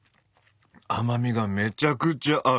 甘みがめちゃくちゃ合う！